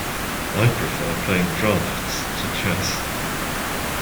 I prefer playing draughts to chess